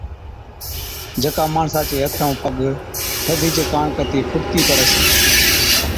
جڪا ماڻسا چي هٿ ائُون پگ ٿڌِي چي ڪاڻ ڪتِي ڦُٽتِي پڙس